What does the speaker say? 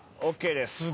ＯＫです。